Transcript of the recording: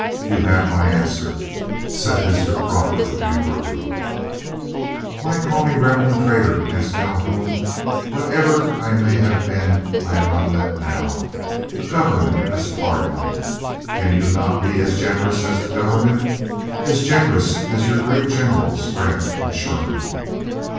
You have my answer," said Mr. Crawford, angrily. "Why call me Rebel and traitor?" asked Calhoun. "Whatever I may have been, I am not that now. The government has pardoned; can you not be as generous as the government? as generous as your great generals, Grant and Sherman?"